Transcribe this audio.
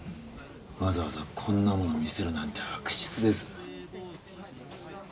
わざわざこんなもの見せるなんて悪質です。